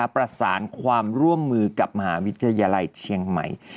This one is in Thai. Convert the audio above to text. ประสานความร่วมมือกับมหาวิทยาลัยเชียงใหม่